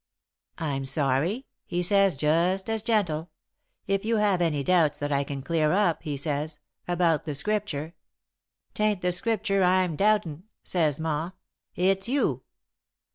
"'I'm sorry,' he says, just as gentle. 'If you have any doubts that I can clear up,' he says, 'about the Scripture ' "''Tain't the Scripture I'm doubtin',' says Ma, 'it's you.'